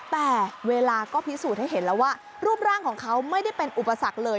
แต่เวลาก็พิสูจน์ให้เห็นแล้วว่ารูปร่างของเขาไม่ได้เป็นอุปสรรคเลย